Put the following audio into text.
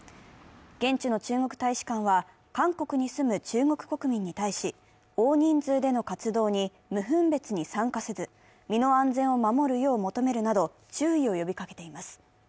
現地の中国大使館は、韓国に住む中国国民に対し、大人数での活動に無分別に参加せず身の安全を守るよう求めるなど注意を呼びかけています。